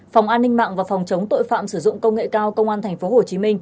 phòng an ninh mạng và phòng chống tội phạm sử dụng công nghệ cao công an tp hcm